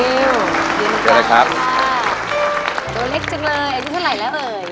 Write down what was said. โดยเล็กจังเลยอายุเท่าไหร่แล้วเอ่ย